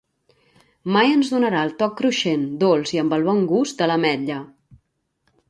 Mai ens donarà el toc cruixent, dolç i amb el bon gust de l'ametlla.